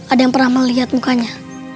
ada yang pernah melihat mukanya